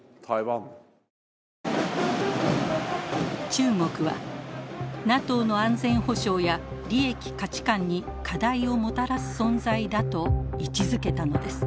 中国は「ＮＡＴＯの安全保障や利益・価値観に課題をもたらす存在だ」と位置づけたのです。